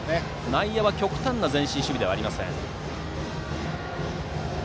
内野は極端な前進守備ではありません。